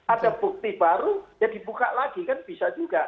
ada bukti baru ya dibuka lagi kan bisa juga